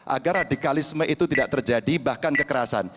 agar radikalisme itu tidak terjadi bahkan kekerasan